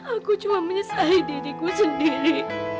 aku cuma menyesai diriku sendiri